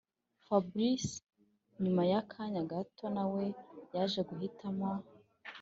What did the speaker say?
fabric nyuma yakanya gato nawe yaje guhitamo